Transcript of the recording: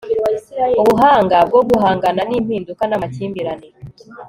ubuhanga bwo guhangana n'impinduka n'amakimbirane